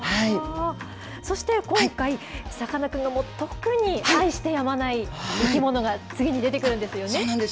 そして今回、さかなクンの特に、愛してやまない生き物が、そうなんです。